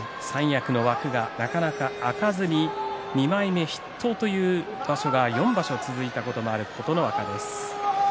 三役の枠がなかなか勝ちに２枚目筆頭という場所が４場所続いたことがある琴ノ若です。